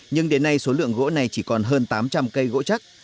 nhưng đến nay số lượng gỗ này chỉ còn hơn tám trăm linh cây gỗ chắc